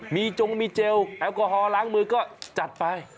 มีจงมีเจลแอลกอฮอลล้างมือก็จัดไป